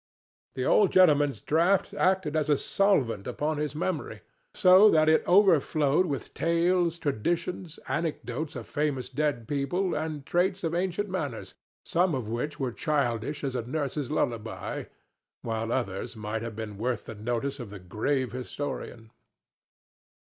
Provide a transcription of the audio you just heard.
The old gentleman's draught acted as a solvent upon his memory, so that it overflowed with tales, traditions, anecdotes of famous dead people and traits of ancient manners, some of which were childish as a nurse's lullaby, while others might have been worth the notice of the grave historian.